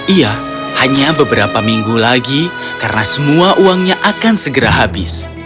iya hanya beberapa minggu lagi karena semua uangnya akan segera habis